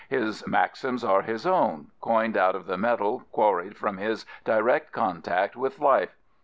His maxims are his own, coined out of the metal quarried from his direct contact with life.